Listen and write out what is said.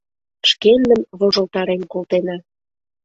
Шкендым вожылтарен колтена.